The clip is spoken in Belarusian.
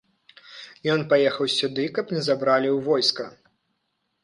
Ён паехаў сюды, каб не забралі ў войска.